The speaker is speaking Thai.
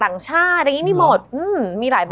มันทำให้ชีวิตผู้มันไปไม่รอด